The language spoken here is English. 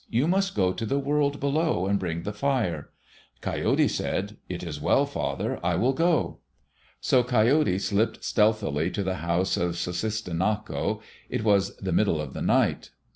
You must go to the world below and bring the fire." Coyote said, "It is well, father. I will go." So Coyote slipped stealthily to the house of Sussistinnako. It was the middle of the night.